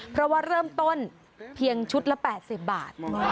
เพราะว่าเริ่มต้นเพียงชุดละ๘๐บาท